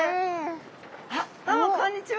あっどうもこんにちは。